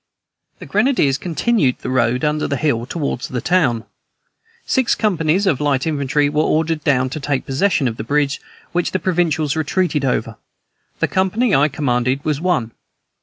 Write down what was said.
The grenadiers continued the road under the hill toward the town. Six companies of light infantry were ordered down to take possession of the bridge which the provincials retreated over; the company I commanded was one.